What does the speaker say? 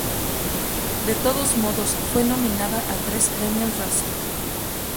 De todos modos fue nominada a tres premios Razzie.